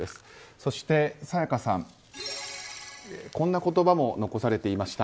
そして沙也加さんこんな言葉も残されていました。